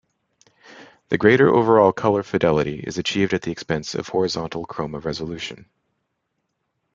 The greater overall color fidelity is achieved at the expense of horizontal chroma resolution.